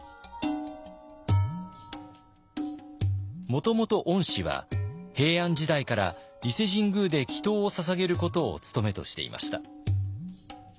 もともと御師は平安時代から伊勢神宮で祈とうをささげることを務めとしていました。